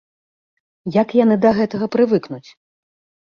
Як яны да гэтага прывыкнуць?